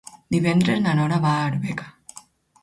Divendres na Nora va a Arbeca.